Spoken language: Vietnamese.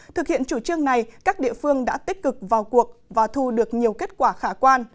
thực hiện chủ trương này các địa phương đã tích cực vào cuộc và thu được nhiều kết quả khả quan